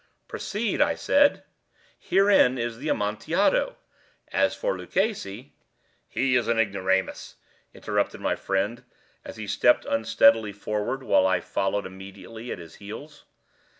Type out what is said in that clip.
"Proceed," I said; "herein is the Amontillado. As for Luchesi—" "He is an ignoramus," interrupted my friend, as he stepped unsteadily forward, while I followed immediately at his heels.